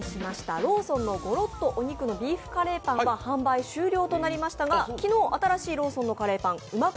ローソンのごろっとお肉のビーフカレーパンは販売終了となりましたが、昨日新しいローソンのカレーパン、旨辛！